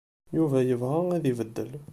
Yuba yebɣa ad ibeddel.